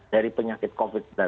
dari penyakit covid sembilan belas